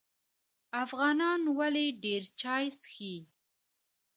افغانان ولې ډیر چای څښي؟